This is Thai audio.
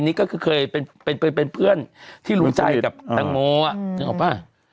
นิ๊กก็คือเคยเป็นเพื่อนที่รู้ใจกับทางโมอ่ะ